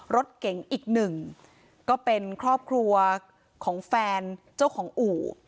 รถเก๋งอีกหนึ่งก็เป็นครอบครัวของแฟนเจ้าของอู่